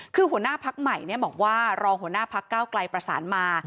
คือหัวหน้าพักใหม่บอกว่ารองหัวหน้าพักเก้าไกลประสานมา